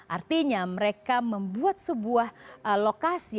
artinya mereka membuat sebuah lokasi